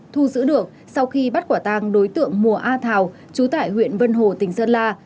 thu giữ được sau khi bắt quả tang đối tượng mùa a thào chú tại huyện vân hồ tỉnh sơn la